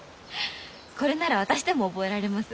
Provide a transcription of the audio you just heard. これなら私でも覚えられます。